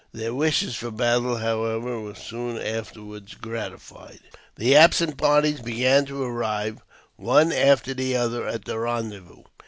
Their wishes for battle, however, were soon after gratified. The absent parties began to arrive, one after the other, at the rendezvous.